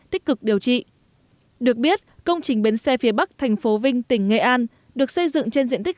tích cực điều trị được biết công trình bến xe phía bắc thành phố vinh tỉnh nghệ an được xây dựng trên diện tích